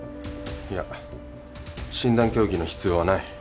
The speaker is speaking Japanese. いや診断協議の必要はない。